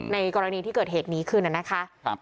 ในกรณีที่เกิดเหตุนี้ขึ้นนะคะ